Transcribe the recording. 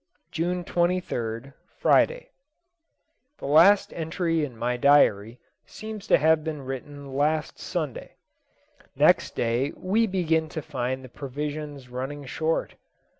June 23rd, Friday. The last entry in my diary seems to have been written last Sunday. Next day we began to find the provisions running short.